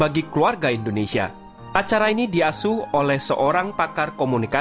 dia berikan damai dan sungka cita